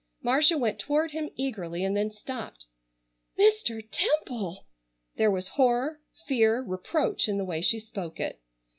Marcia went toward him eagerly, and then stopped: "Mr. Temple!" There was horror, fear, reproach in the way she spoke it.